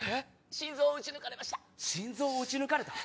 心臓を撃ち抜かれた？